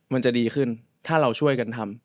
มันจะดีขึ้นถ้าเราช่วยกันทำ